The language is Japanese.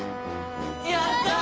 やった！